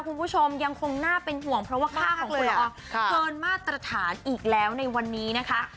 คุณผู้ชมยังคงน่าเป็นห่วงเพราะว่าค่าของกุลเกินมาตรฐานอีกแล้วในวันนี้นะคะ